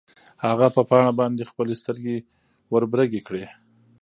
هغه په پاڼه باندې خپلې سترګې وربرګې کړې.